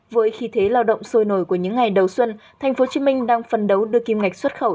với khí thế lao động sôi nổi của những ngày đầu xuân tp hcm đang phân đấu đưa kim ngạch xuất khẩu